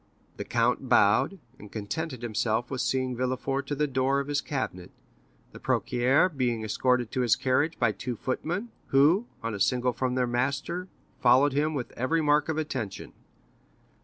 The count bowed, and contented himself with seeing Villefort to the door of his cabinet, the procureur being escorted to his carriage by two footmen, who, on a signal from their master, followed him with every mark of attention.